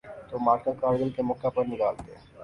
تو معرکہ کارگل کے موقع پہ نکالتے۔